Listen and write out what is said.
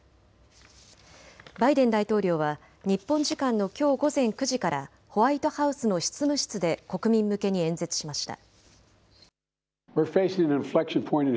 バイデン大統領は日本時間のきょう午前９時からホワイトハウスの執務室で国民向けに演説しました。